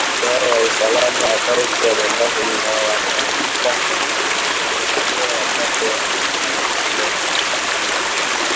Idara ya usalama kaunti ya Mombasa inawatafuta washukiwa watatu wa uhalifu waliotoroka